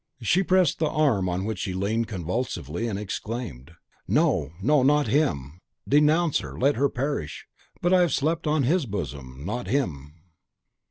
She pressed the arm on which she leaned convulsively, and exclaimed, "No, no! not him! denounce her, let her perish; but I have slept on HIS bosom, not HIM!"